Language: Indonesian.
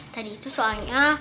tadi itu soalnya